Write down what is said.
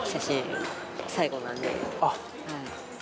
はい。